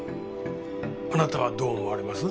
あなたはどう思われます？